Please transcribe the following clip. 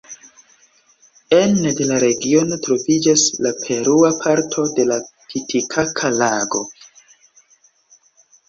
Ene de la regiono troviĝas la perua parto de la Titikaka-lago.